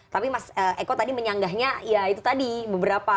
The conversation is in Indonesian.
tapi mas eko tadi menyanggahnya ya itu tadi beberapa